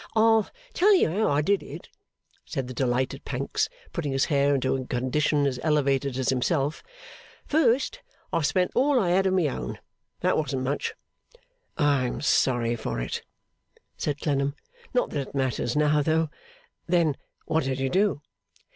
'I'll tell you how I did it,' said the delighted Pancks, putting his hair into a condition as elevated as himself. 'First, I spent all I had of my own. That wasn't much.' 'I am sorry for it,' said Clennam: 'not that it matters now, though. Then, what did you do?